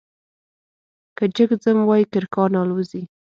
که جگ ځم وايي کرکان الوزوې ،